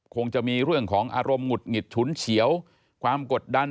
คงจะมีเรื่องของอารมณ์หงุดหงิดฉุนเฉียวความกดดัน